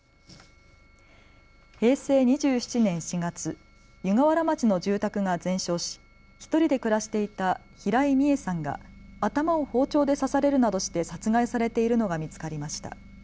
平成２７年４月、湯河原町の住宅が全焼し１人で暮らしていた平井美江さんが頭を包丁で刺されるなどして殺害されているのが見つかりました。